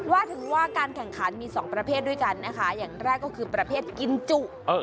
ว่าถึงว่าการแข่งขันมีสองประเภทด้วยกันนะคะอย่างแรกก็คือประเภทกินจุ